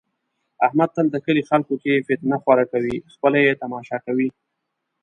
احمد تل د کلي خلکو کې فتنه خوره کوي، خپله یې تماشا کوي.